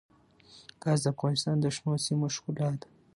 ګاز د افغانستان د شنو سیمو ښکلا ده.